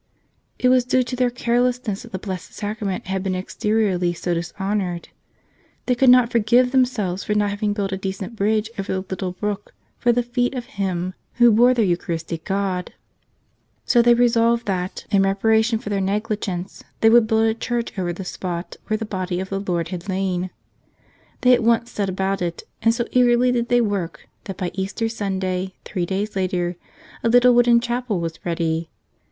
It was due to their carlessness that the Blessed Sacra¬ ment had been exteriorly so dishonored. They could not forgive themselves for not having built a decent bridge over the little brook for the feet of him who bore their Eucharistic God. So they resolved that, in 67 "T ell Us Another !" S reparation for their negligence, they would build a church over the spot where the Body of the Lord had lain. They at once set about it, and so eagerly did they work that by Easter Sunday, three days later, a little wooden chapel was ready.